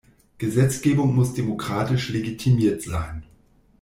Gesetzgebung muss demokratisch legitimiert sein.